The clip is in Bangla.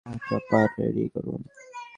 চপার রেডি করুন।